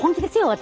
私。